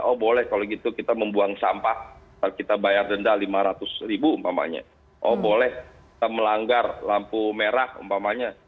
oh boleh kita melanggar lampu merah umpamanya